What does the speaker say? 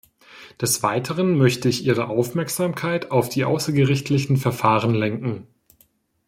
Des weiteren möchte ich Ihre Aufmerksamkeit auf die außergerichtlichen Verfahren lenken.